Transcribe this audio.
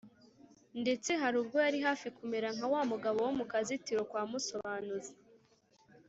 Ndetse hari ubwo yari hafi kumera nka wa mugabo wo mu kazitiro kwa Musobanuzi